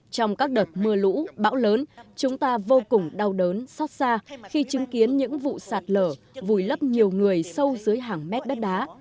trong các đợt mưa lũ bão lớn chúng ta vô cùng đau đớn xót xa khi chứng kiến những vụ sạt lở vùi lấp nhiều người sâu dưới hàng mét đất đá